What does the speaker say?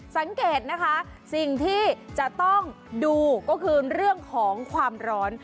สังเกตนะคะสิ่งที่จะต้องดูก็คือเรื่องของความร้อน